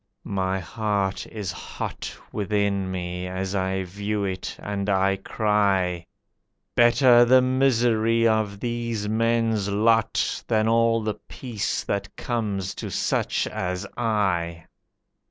My heart is hot Within me as I view it, and I cry, "Better the misery of these men's lot Than all the peace that comes to such as I!"